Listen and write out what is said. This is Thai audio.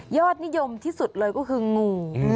นิยมที่สุดเลยก็คืองู